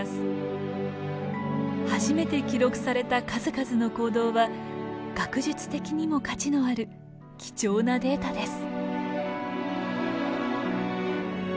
初めて記録された数々の行動は学術的にも価値のある貴重なデータです。